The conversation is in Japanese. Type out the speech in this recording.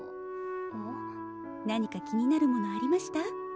何か気になるものありました？